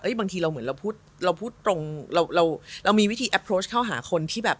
บางทีเราเหมือนเราพูดเราพูดตรงเราเรามีวิธีแอปโพสต์เข้าหาคนที่แบบ